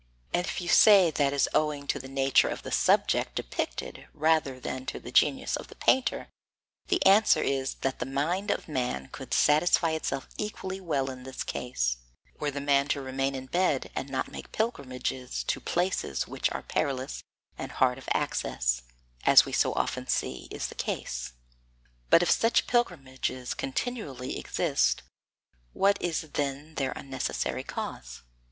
And if you say that is owing to the nature of the subject depicted rather than to the genius of the painter, the answer is that the mind of man could satisfy itself equally well in this case, were the man to remain in bed and not make pilgrimages to places which are perilous and hard of access, as we so often see is the case. But if such pilgrimages continually exist, what is then their unnecessary cause?